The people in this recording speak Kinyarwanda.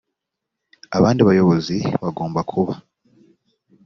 abandi bayobozi bagomba kuba